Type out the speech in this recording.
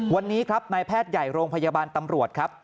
วันนี้ครับนายแพทย์ใหญ่โรงพยาบาลตำรวจครับ